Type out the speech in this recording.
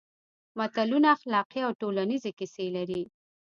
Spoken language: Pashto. متلونه اخلاقي او ټولنیزې کیسې لري